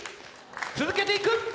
続けていく！